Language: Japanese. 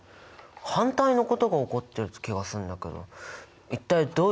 反対のことが起こってる気がするんだけど一体どういうことなの？